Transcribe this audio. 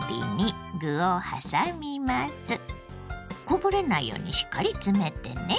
こぼれないようにしっかり詰めてね。